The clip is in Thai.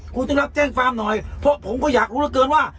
คุณต้องรับแจ้งความหน่อยเพราะผมก็อยากรู้เหลือเกินว่า